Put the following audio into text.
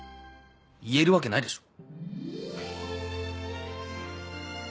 言えるわけないでしょ。